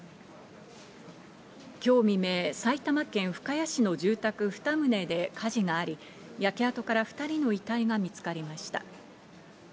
今日未明、埼玉県深谷市の住宅２棟で火事があり、焼け跡から２人の遺体が見つかりました。